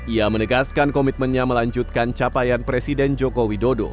ia menegaskan komitmennya melanjutkan capaian presiden joko widodo